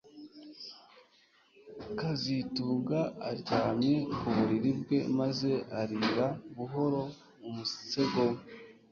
kazitunga aryamye ku buriri bwe maze arira buhoro mu musego we